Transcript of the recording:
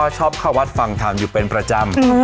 ชอบเข้าวัดฟังธรรมอยู่เป็นประจำ